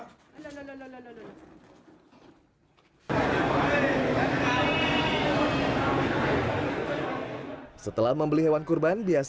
biasanya mereka akan mencari hewan yang lebih besar